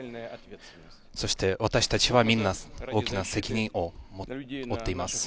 そして私たちはみんな大きな責任を負っています。